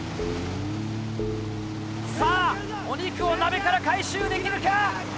さぁお肉を鍋から回収できるか？